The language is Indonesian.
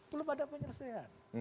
belum ada penyelesaian